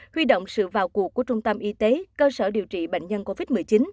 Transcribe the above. huy động sự vào cuộc của trung tâm y tế cơ sở điều trị bệnh nhân covid một mươi chín